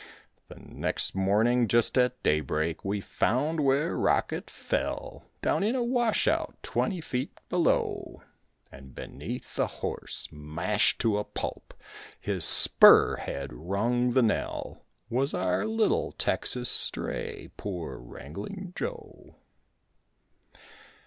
The next morning just at day break, we found where Rocket fell, Down in a washout twenty feet below; And beneath the horse, mashed to a pulp, his spur had rung the knell, Was our little Texas stray, poor Wrangling Joe.